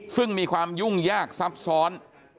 ซึ่งมีความยุ่งยากซับซ้อน